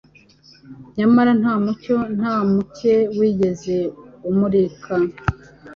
nyamara nta mucyo na muke wigeze umurika